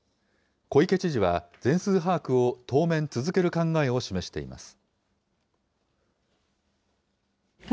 小池知事は、全数把握を当面続ける考えを示しています。